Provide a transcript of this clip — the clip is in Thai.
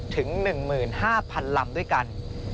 ถึง๑๕๐๐๐ลำด้วยกัน